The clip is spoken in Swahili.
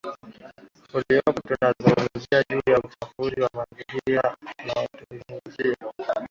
uliopo Tunapozungumza juu ya uchafuzi wa mazingira tunazungumzia